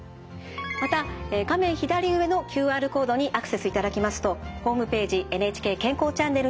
また画面左上のＱＲコードにアクセスいただきますとホームページ「ＮＨＫ健康チャンネル」につながります。